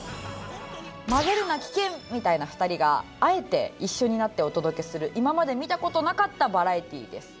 混ぜるな危険みたいな２人があえて一緒になってお届けする今まで見た事なかったバラエティーです。